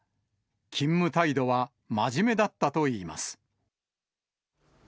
勤務態度は真面目だったといいます。